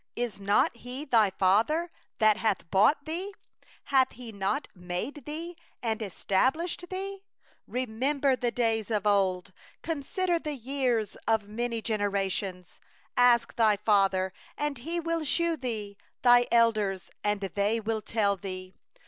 Is not He thy father that hath gotten thee? Hath He not made thee, and established thee? 7Remember the days of old, Consider the years of many generations; Ask thy father, and he will declare unto thee, Thine elders, and they will tell thee.